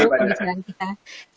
terima kasih banyak